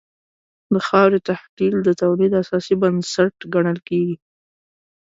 د خاورې تحلیل د تولید اساسي بنسټ ګڼل کېږي.